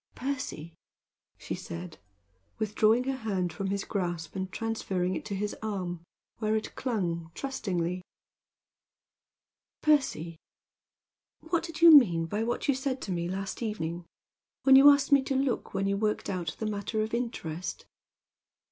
"Percy!" she said, withdrawing her hand from his grasp and transferring it to his arm, where it clung trustingly. "Percy! what did you mean by what you said to me last evening when you asked me to look when you worked out that matter of interest?"